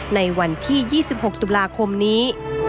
ในวันที่๒๖ตุลาคมนี้